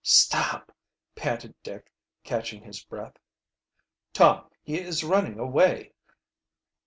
"Stop!" panted Dick, catching his breath. "Tom, he is running away!"